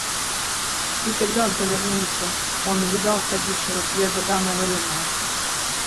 И когда он повернулся, он увидал входившего вслед за дамой военного.